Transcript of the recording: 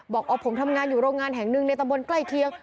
บอกอ๋อผมทำงานอยู่โรงงานแห่งหนึ่งในตำบลใกล้เคียง